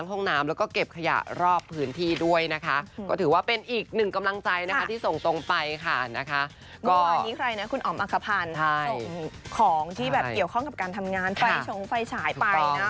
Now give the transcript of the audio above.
ของที่แบบเกี่ยวข้องกับการทำงานไฟชงไฟฉายไปนะ